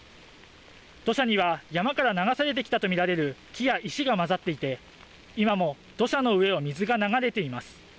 土砂には山から流されてきたと見られる木や石が混ざっていて、今も土砂の上を水が流れています。